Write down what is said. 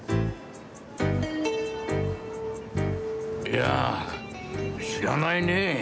いやあ知らないねえ。